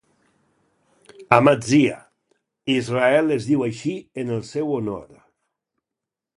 Amatzia, Israel es diu així en el seu honor.